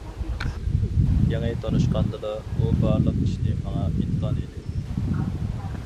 يېڭى تونۇشقاندىلا، ئۇ بارلىق ئىشىنى ماڭا ئېيتقان ئىدى.